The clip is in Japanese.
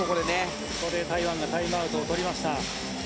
ここで台湾がタイムアウトを取りました。